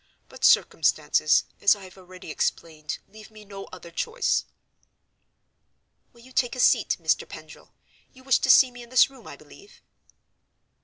But circumstances, as I have already explained, leave me no other choice." "Will you take a seat, Mr. Pendril? You wished to see me in this room, I believe?"